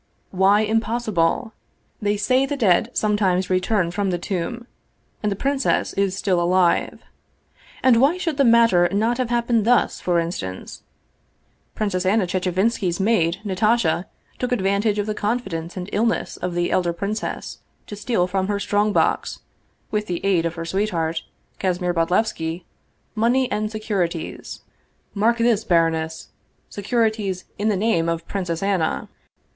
" Why impossible? They say the dead sometimes return from the tomb, and the princess is still alive. And why should the matter not have happened thus, for instance? Princess Anna Chechevinski's maid Natasha took advan tage of the confidence and illness of the elder princess to steal from her strong box, with the aid of her sweet heart, Kasimir Bodlevski, money and securities mark 223 Russian Mystery Stories this, baroness securities in the name of Princess Anna.